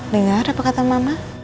dengar apa kata mama